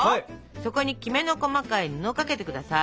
そこにキメの細かい布をかけてください。